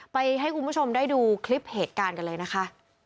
ให้คุณผู้ชมได้ดูคลิปเหตุการณ์กันเลยนะคะ